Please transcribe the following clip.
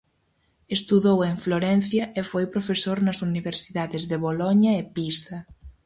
Estudou en Florencia e foi profesor nas universidades de Boloña e Pisa.